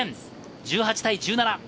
１８対１７。